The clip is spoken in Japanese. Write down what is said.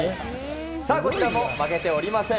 こちらも負けておりません。